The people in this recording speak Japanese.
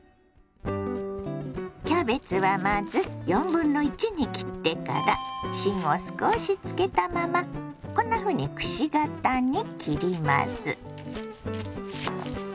キャベツはまず1/4に切ってから芯を少しつけたままこんなふうにくし形に切ります。